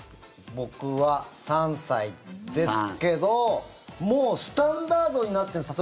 僕は３歳ですけどもうスタンダードになってるんです。